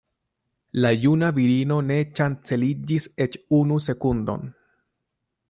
La juna virino ne ŝanceliĝis eĉ unu sekundon.